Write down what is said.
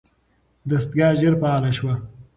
دستګاه ژر فعاله شوه.